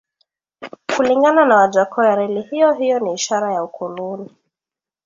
Kulingana na Wajackoya reli hiyo hiyo ni ishara ya ukoloni